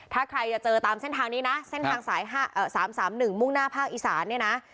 ถ้าใครจะเจอตามเส้นทางนี้นะเส้นทางสาย๓๓๑มุ่งหน้าภาคอีสานเนี่ยนะ